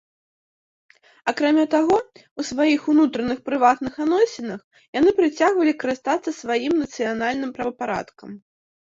Акрамя таго, у сваіх унутраных прыватных адносінах яны працягвалі карыстацца сваім нацыянальным правапарадкам.